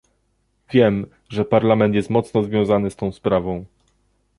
Wiem, że Parlament jest mocno związany z tą sprawą